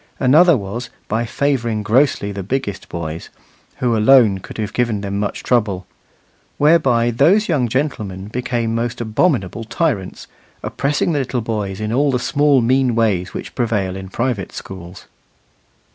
Another was, by favouring grossly the biggest boys, who alone could have given them much trouble; whereby those young gentlemen became most abominable tyrants, oppressing the little boys in all the small mean ways which prevail in private schools.